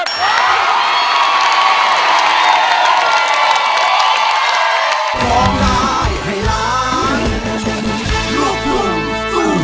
ร้องได้หรือว่าร้องผิดครับ